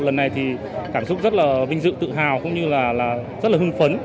lần này thì cảm xúc rất là vinh dự tự hào cũng như là rất là hưng phấn